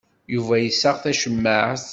Yuba yessaɣ tacemmaɛt.